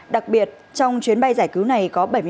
đặc biệt trong chuyến bay giải cứu này có bảy mươi một cháu